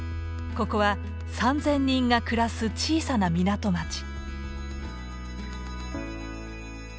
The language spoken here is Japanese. ここは３，０００人が暮らす小さな港町。